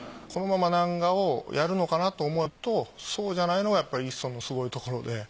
このまま南画をやるのかなと思うとそうじゃないのがやっぱり一村のすごいところで。